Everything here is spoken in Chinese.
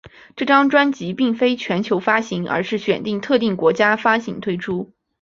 这张专辑并非全球发行而是选定特定国家发行推出。